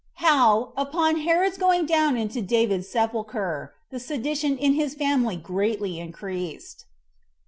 How, Upon Herod's Going Down Into David's Sepulcher, The Sedition In His Family Greatly Increased.